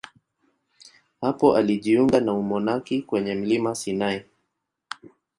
Hapo alijiunga na umonaki kwenye mlima Sinai.